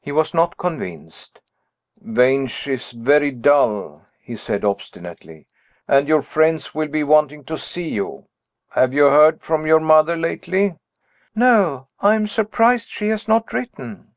He was not convinced. "Vange is very dull," he said, obstinately; "and your friends will be wanting to see you. Have you heard from your mother lately?" "No. I am surprised she has not written."